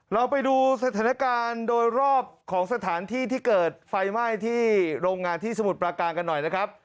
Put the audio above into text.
เราไปดูสถานการณ์โดยรอบของสถานที่ที่เกิดไฟไหม้ที่โรงงานที่สมุทรปราการกันหน่อยนะครับ